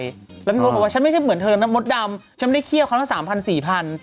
แล้วพี่เป็นพ่อว่าฉันไม่ใช่เหมือนเธอนั้นมดดำฉันไม่ได้เขี้ยวเขาถึง๓๐๐๐๔๐๐๐